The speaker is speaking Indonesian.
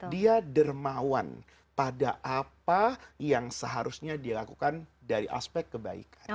dia dermawan pada apa yang seharusnya dilakukan dari aspek kebaikan